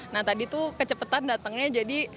nah tadi tuh kecepatan datangnya jadi